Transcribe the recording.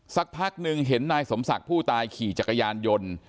สักพักหนึ่งเห็นนายสมศักดิ์ผู้ตายขี่จักรยานยนต์